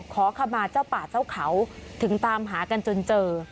ขอขมาเจ้าป่าเจ้าเขาถึงตามหากันจนเจอ